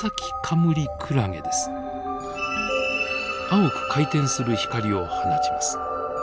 青く回転する光を放ちます。